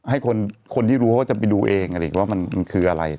ให้คนคนที่รู้เขาจะไปดูเองอะไรอย่างนี้ว่ามันมันคืออะไรอะไรอย่าง